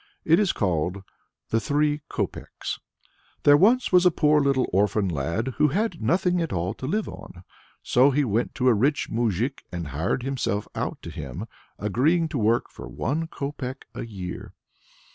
It is called THE THREE COPECKS. There once was a poor little orphan lad who had nothing at all to live on; so he went to a rich moujik and hired himself out to him, agreeing to work for one copeck a year.